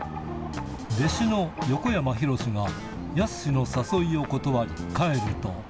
弟子の横山ひろしが、やすしの誘いを断り、帰ると。